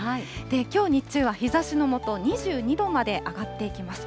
きょう日中は日ざしの下、２２度まで上がっていきます。